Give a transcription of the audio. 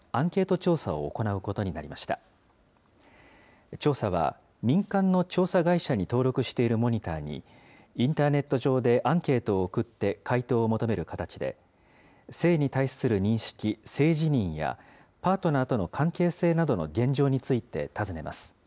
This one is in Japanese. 調査は、民間の調査会社に登録しているモニターに、インターネット上でアンケートを送って回答を求める形で、性に対する認識、性自認や、パートナーとの関係性などの現状について尋ねます。